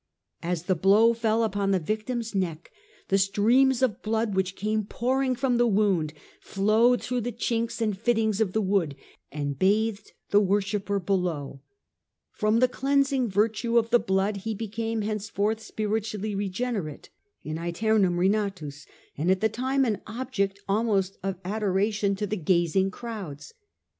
As the blow fell upon the victim's neck, the streams of blood which came pouring from the wound flowed through the chinks and fittings of the wood, and bathed the worshipper below From the cleansing virtue of the blood, he became henceforth spiritually regenerate (in seternum renatus), and at the time an object almost of adoration to the The Age of the Antomnes. CH. VII, gazing crowds.